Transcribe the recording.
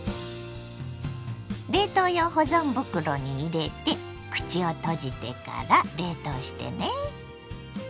冷凍用保存袋に入れて口を閉じてから冷凍してね。